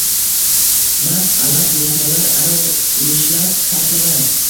Mast-alast mehmonlar aroq nishlab tashlagan